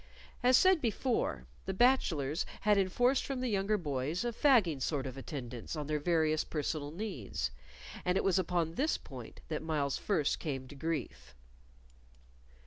As said before, the bachelors had enforced from the younger boys a fagging sort of attendance on their various personal needs, and it was upon this point that Myles first came to grief.